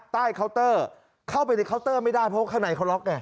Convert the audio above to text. เคาน์เตอร์เข้าไปในเคาน์เตอร์ไม่ได้เพราะข้างในเขาล็อกไง